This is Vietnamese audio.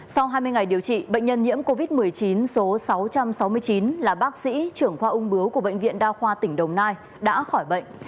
sau hai mươi ngày điều trị bệnh nhân nhiễm covid một mươi chín số sáu trăm sáu mươi chín là bác sĩ trưởng khoa ung bướu của bệnh viện đa khoa tỉnh đồng nai đã khỏi bệnh